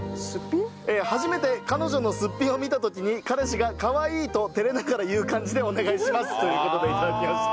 初めて彼女のすっぴんを見た時に彼氏が「かわいい」と照れながら言う感じでお願いしますという事で頂きました。